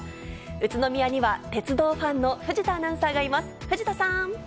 宇都宮には鉄道ファンの藤田アナウンサーがいます。